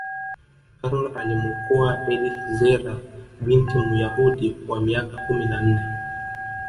karol alimuokoa edith zierer binti muyahudi wa miaka kumi na nne